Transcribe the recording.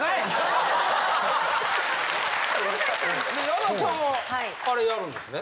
矢田さんはあれやるんですね。